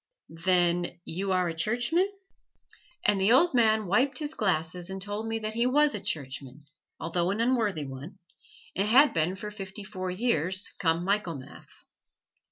"Then you are a Churchman?" And the old man wiped his glasses and told me that he was a Churchman, although an unworthy one, and had been for fifty four years, come Michaelmas.